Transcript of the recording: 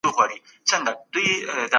موږ باید د ځان وژنې کچه معلومه کړو.